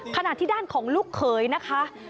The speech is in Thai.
ขณะที่ด้านของลูกเขยนะคะ